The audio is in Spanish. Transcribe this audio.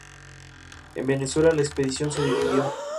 En Venezuela la expedición se dividió.